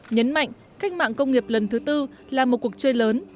nhấn mạnh cách mạng công nghiệp lần thứ tư là một cuộc chơi lớn